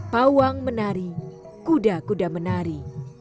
pawang menari kuda kuda menari